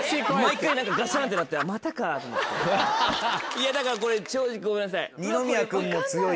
いやだからこれ正直ごめんなさい。